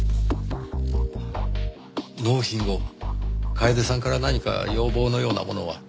納品後楓さんから何か要望のようなものは？